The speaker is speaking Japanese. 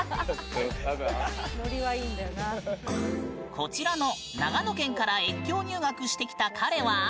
こちらの長野県から越境入学してきた彼は。